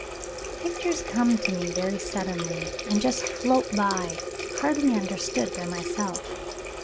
"Pictures come to me very suddenly and just float by, hardly understood by myself.